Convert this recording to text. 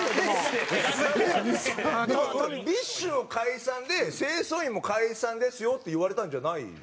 多分ＢｉＳＨの解散で清掃員も解散ですよって言われたんじゃないの？